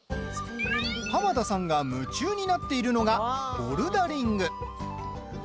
濱田さんが夢中になっているのがボルダリング。